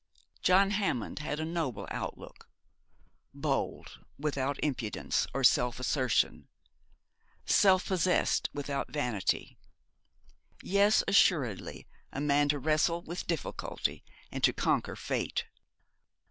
John Hammond had a noble outlook: bold, without impudence or self assertion; self possessed, without vanity. Yes, assuredly a man to wrestle with difficulty, and to conquer fate.